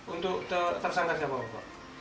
untuk tersangka siapa pak